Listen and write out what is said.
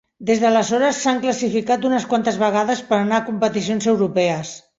Des d'aleshores s'han classificat unes quantes vegades per anar a competicions europees.